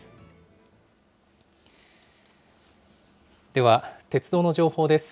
では、鉄道の情報です。